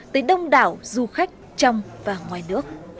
tới đông đảo du khách trong và ngoài nước